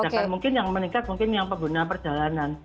sedangkan mungkin yang meningkat mungkin yang pengguna perjalanan